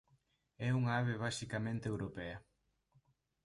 É unha ave basicamente europea.